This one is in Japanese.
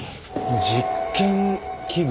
実験器具？